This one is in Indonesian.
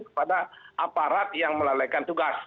kepada aparat yang melalaikan tugas